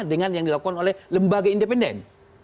dengan yang dilakukan oleh lembaga independen